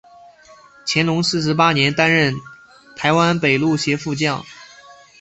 乾隆四十八年担任台湾北路协副将。